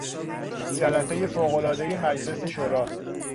جلسهی فوق العادهی مجلس شورا